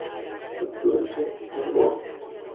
Su peluche es Boo!.